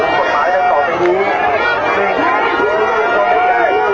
สวัสดีครับ